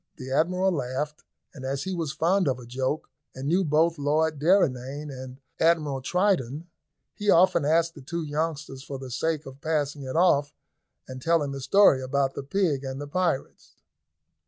The Admiral laughed, and as he was fond of a joke, and knew both Lord Derrynane and Admiral Triton, he often asked the two youngsters for the sake of passing it off and telling the story about the pig and the pirates.